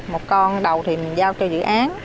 một con đầu thì mình giao cho dự án